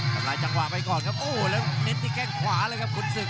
ทำลายจังหวะไปก่อนครับโอ้โหแล้วเน้นที่แข้งขวาเลยครับขุนศึก